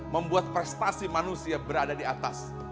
membuat prestasi manusia berada di atas